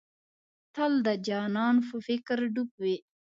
تل د جانان په فکر ډوب وې.